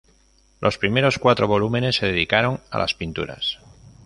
Los primeros cuatro volúmenes se dedicaron a las pinturas.